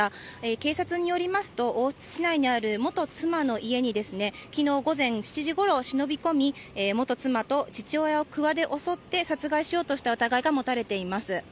警察によりますと、大津市内にある元妻の家にきのう午前７時ごろ忍び込み、元妻と父親をくわで襲って殺害しようとした疑いが持たれています。